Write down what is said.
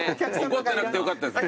怒ってなくてよかったですね。